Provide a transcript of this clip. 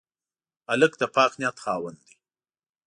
هلک د پاک نیت خاوند دی.